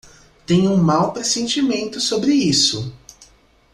Tenho um mau pressentimento sobre isso!